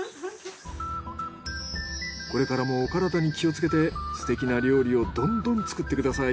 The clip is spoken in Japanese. これからもお体に気をつけてすてきな料理をどんどん作ってください。